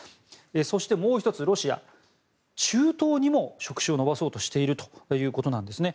そして、もう１つ、ロシア中東にも触手を伸ばそうとしているということなんですね。